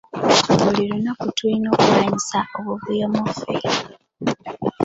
Buli lunaku tulina okulwanyisa obuvuyo mu ffe.